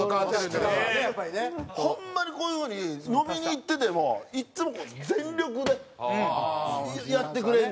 ホンマにこういう風に飲みに行っててもいつも全力でやってくれるねん。